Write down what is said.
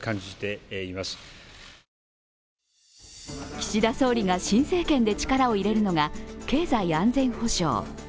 岸田総理が新政権で力を入れるのが経済安全保障。